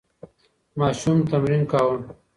ماشوم تمرین کاوه.